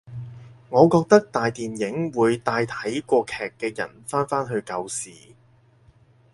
我覺得大電影會帶睇過劇嘅人返返去舊時